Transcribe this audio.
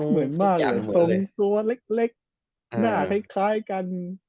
เหมือนมากทรงตัวเล็กหน้าคล้ายกัน